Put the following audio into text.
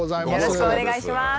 よろしくお願いします。